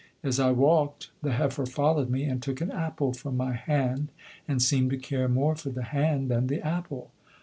As I walked the heifer followed me, and took an apple from my hand, and seemed to care more for the hand than the apple.